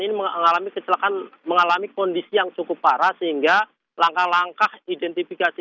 ini mengalami kecelakaan mengalami kondisi yang cukup parah sehingga langkah langkah identifikasi